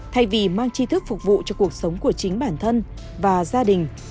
thay vì mang chi thức phục vụ cho cuộc sống của chính bản thân và gia đình